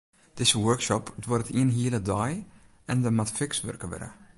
Dizze workshop duorret in hiele dei en der moat fiks wurke wurde.